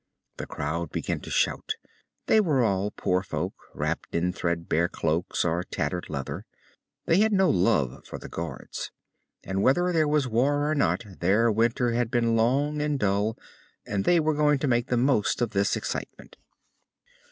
The crowd began to shout. They were all poor folk, wrapped in threadbare cloaks or tattered leather. They had no love for the guards. And whether there was war or not, their winter had been long and dull, and they were going to make the most of this excitement.